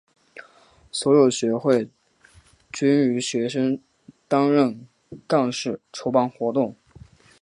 所有学会均由学生担任干事筹办活动。